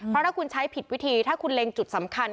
เพราะถ้าคุณใช้ผิดวิธีถ้าคุณเล็งจุดสำคัญ